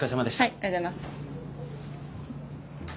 ありがとうございます。